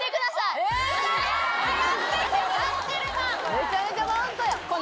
・・めちゃめちゃマウントやん！